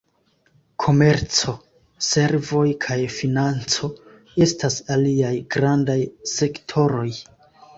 Komerco, servoj kaj financo estas aliaj grandaj sektoroj.